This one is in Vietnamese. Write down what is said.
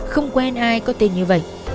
không quen ai có tên như vậy